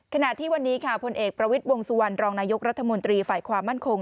ขณะที่วันนี้ค่ะพลเอกประวิทย์วงสุวรรณรองนายกรัฐมนตรีฝ่ายความมั่นคง